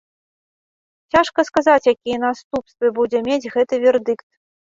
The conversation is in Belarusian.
Цяжка сказаць, якія наступствы будзе мець гэты вердыкт.